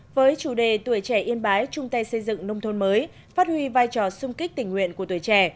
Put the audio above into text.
với chủ đề tuổi trẻ yên bái chung tay xây dựng nông thôn mới phát huy vai trò sung kích tình nguyện của tuổi trẻ